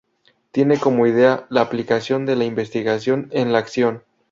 Tiene como idea la aplicación de la investigación en la acción.